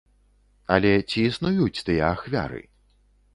Але ці існуюць тыя ахвяры?